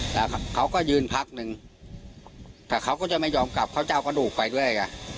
แล้วเขาก็ยืนพักหนึ่งแต่เขาก็จะไม่ยอมกลับเขาจะเอากระดูกไปด้วยไง